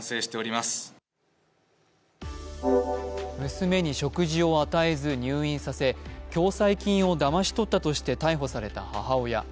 娘に食事を与えず入院させ、共済金をだまし取ったとして逮捕された母親。